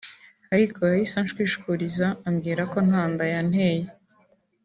ariko yahise anshwishuriza ambwira ko nta nda yanteye